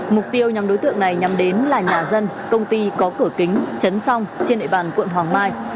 mục tiêu nhằm đối tượng này nhằm đến là nhà dân công ty có cửa kính trấn song trên đại bàn quận hoàng mai